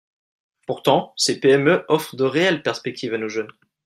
Pourtant, ces PME offrent de réelles perspectives à nos jeunes.